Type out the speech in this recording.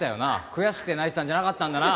悔しくて泣いてたんじゃなかったんだな。